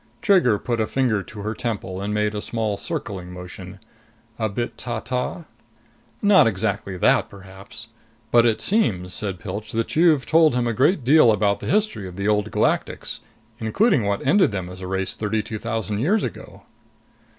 Trigger put a finger to her temple and made a small circling motion. "A bit ta ta?" "Not exactly that, perhaps. But it seems," said Pilch, "that you've told him a good deal about the history of the Old Galactics, including what ended them as a race thirty two thousand years ago."